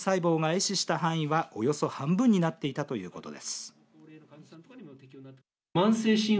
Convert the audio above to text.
死した範囲はおよそ半分になっていたということです。